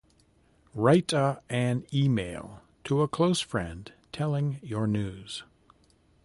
Write a an email to a close friend telling your news.